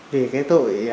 vì cái tội